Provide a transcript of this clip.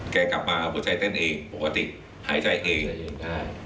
แกกลับมาเพื่อใช้เต้นเองปกติหายใจเอง